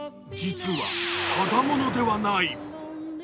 実はただものではない。